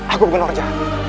aku bukan orja